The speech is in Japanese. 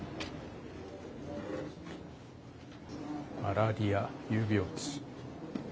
マラリア有病地。